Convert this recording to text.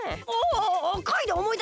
あかいでおもいだした！